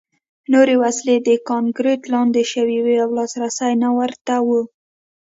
نورې وسلې د کانکریټ لاندې شوې وې او لاسرسی نه ورته و